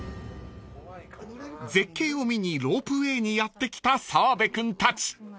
［絶景を見にロープウェイにやって来た澤部君たち］